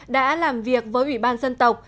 đã làm việc với ủy ban dân tộc